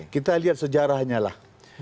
kita lihat sejarahnya lah